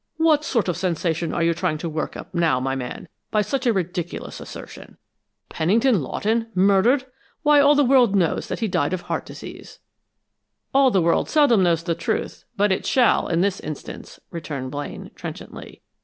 What sort of sensation are you trying to work up now, my man, by such a ridiculous assertion? Pennington Lawton murdered! Why, all the world knows that he died of heart disease!" "All the world seldom knows the truth, but it shall, in this instance," returned Blaine, trenchantly.